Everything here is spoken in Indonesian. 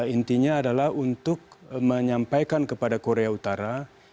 intinya adalah untuk menyampaikan kepada korea utara